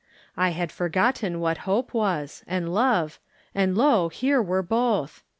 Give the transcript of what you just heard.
I had forgotten what hope was, and love, and, lo, here were both.